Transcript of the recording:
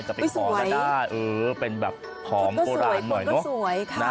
อุ้ยสวยคุณก็สวยคุณก็สวยค่ะเป็นแบบผอมโอรันหน่อยเนอะ